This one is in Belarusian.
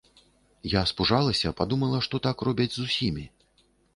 Я спужалася, падумала, што так робяць з усімі.